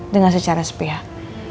dengan secara sepihak